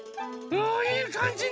あいいかんじね！